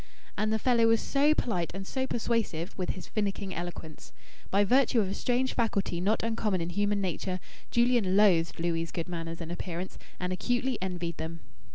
And the fellow was so polite and so persuasive, with his finicking eloquence. By virtue of a strange faculty not uncommon in human nature Julian loathed Louis' good manners and appearance and acutely envied them.